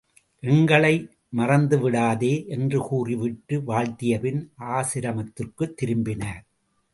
எங்களை மறந்துவிடாதே! என்று கூறிவிட்டு வாழ்த்தியபின் ஆசிரமத்திற்குத் திரும்பினர்.